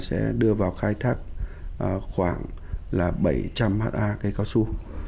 sẽ đưa vào khai thác khoảng bảy trăm linh ha cây cao su